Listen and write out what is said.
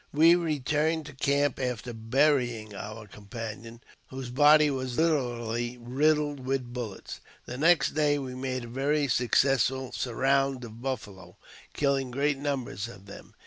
We returned to camp after burying our companion, whos body was literally riddled with bullets. The next day we made a very successful surrotmd of buffalo, killing great numbers of them.